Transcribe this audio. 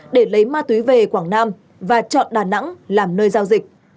để lấy ma túy về quảng nam và chọn đà nẵng làm nơi giao dịch